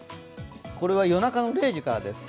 これは夜中の０時からです。